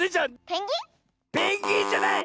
ペンギンじゃない！